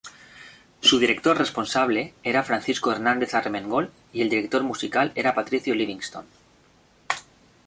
Su director responsable era Francisco Hernández Armengol y el director musical era Patricio Livingstone.